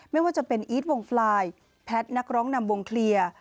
ไม่ว่าจะเป็นอีทวงฟลายแพทย์นักร้องนำวงเคลียร์